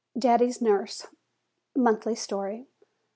DADDY'S NURSE (Monthly Story.)